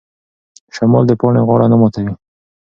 شمال د پاڼې غاړه نه ماتوي.